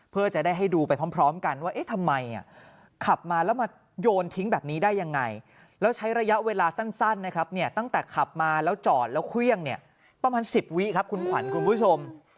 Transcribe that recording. เพื่อจะได้ให้ดูไปพร้อมกันว่าเอ๊ะทำไมขับมาแล้วมาโยนทิ้งแบบนี้ได้ยังไงแล้วใช้ระยะเวลาสั้นนะครับเนี่ยตั้งแต่ขับมาแล้วจอดแล้วเครื่องเนี่ยประมาณ๑๐วิครับคุณขวัญคุณผู้ชม